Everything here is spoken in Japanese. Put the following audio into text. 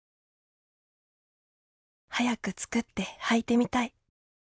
早く作ってはいてみたい。